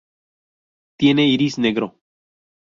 Tiene iris negro.